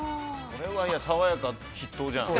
これは爽やか筆頭じゃん。